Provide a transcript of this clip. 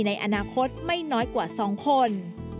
ในอนาคตไม่น้อยกว่า๒คน